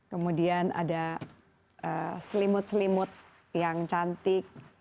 kemudian ada selimut selimut yang cantik